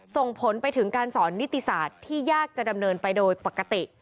ส่งผลไปถึงการสอนนิติศาสตร์ที่ยากจะดำเนินไปโดยปกติ